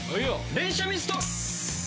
連射ミスト！